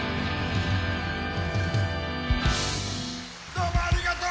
どうもありがとう！